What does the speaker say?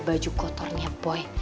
baju kotornya boy